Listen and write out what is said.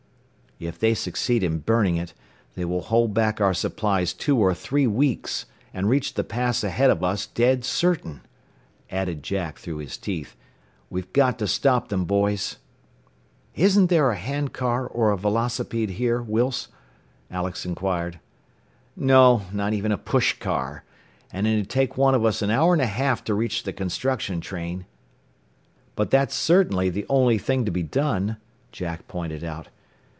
"If they succeed in burning it, they will hold back our supplies two or three weeks, and reach the pass ahead of us, dead certain," added Jack through his teeth. "We've got to stop them, boys!" "Isn't there a hand car or a velocipede here, Wilse?" Alex inquired. "No. Not even a push car. And it'd take one of us an hour and a half to reach the construction train." "But that's certainly the only thing to be done," Jack pointed out.